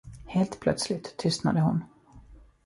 Helt plötsligt tystnade hon.